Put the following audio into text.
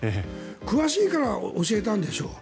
詳しいから教えたんでしょう。